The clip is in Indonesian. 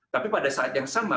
tapi pada saat yang sama